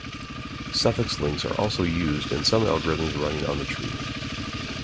Suffix links are also used in some algorithms running on the tree.